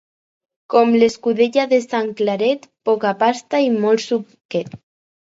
Com l'escudella de sant Claret, poca pasta i molt suquet.